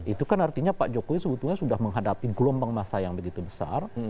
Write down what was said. itu kan artinya pak jokowi sebetulnya sudah menghadapi gelombang masa yang begitu besar